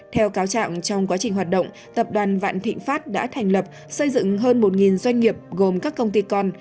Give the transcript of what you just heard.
trong quá trình hoạt động tập đoàn vạn thịnh pháp đã thành lập xây dựng hơn một doanh nghiệp gồm các công ty con